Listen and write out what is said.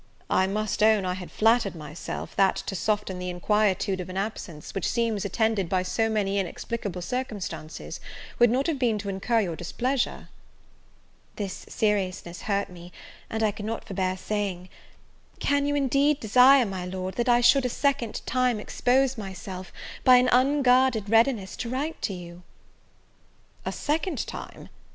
I must own I had flattered myself, that, to soften the inquietude of an absence, which seems attended by so many inexplicable circumstances, would not have been to incur your displeasure." This seriousness hurt me; and I could not forbear saying, "Can you indeed desire, my Lord, that I should, a second time, expose myself, by an unguarded readiness, to write to you?" "A second time!